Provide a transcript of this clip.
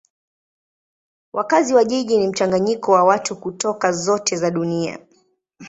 Wakazi wa jiji ni mchanganyiko wa watu kutoka zote za dunia.